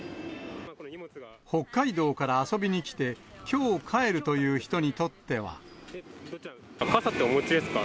北海道から遊びに来て、傘ってお持ちですか？